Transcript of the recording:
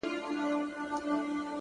o زه مي د ميني په نيت وركړمه زړه؛